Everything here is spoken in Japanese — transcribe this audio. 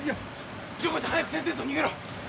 純子ちゃん早く先生と逃げろ。